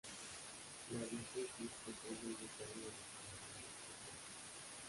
La diócesis comprende el estado venezolano de Cojedes.